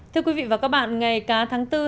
sau chuyến đi thumbt